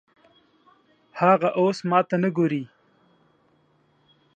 هغه اوس ماته نه ګوري